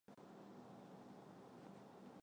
时任中央军委副主席杨尚昆为隧道题字。